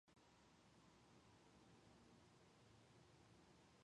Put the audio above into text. Another intense source of an electromagnetic pulse is a nuclear explosion.